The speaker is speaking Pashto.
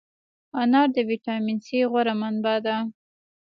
انار د ویټامین C غوره منبع ده.